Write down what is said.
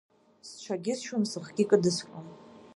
Сҽагьысшьуам, сыхгьы кыдысҟьом.